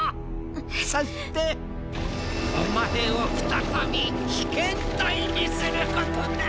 そしてお前を再び被験体にすることだ！